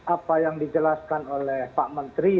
apa yang dijelaskan oleh pak menteri